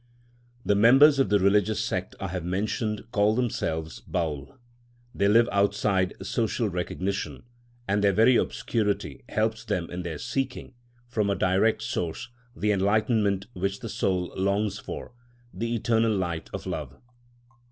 The members of the religious sect I have mentioned call themselves "Baül." They live outside social recognition, and their very obscurity helps them in their seeking, from a direct source, the enlightenment which the soul longs for, the eternal light of love.